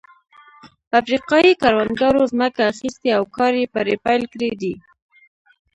افریقايي کروندګرو ځمکه اخیستې او کار یې پرې پیل کړی دی.